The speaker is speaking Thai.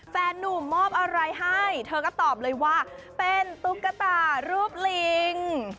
แฟนนุ่มมอบอะไรให้เธอก็ตอบเลยว่าเป็นตุ๊กตารูปลิง